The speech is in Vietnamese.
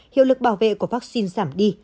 hiệu lực bảo vệ của vaccine giảm đi